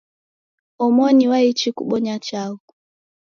Omoni waichi kubonya chaghu.